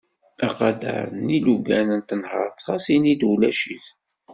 Aqader n yilugan n tenhert ɣas ini-d ulac-it.